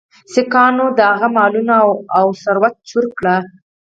سیکهانو د هغه مالونه او ثروت چور کړ.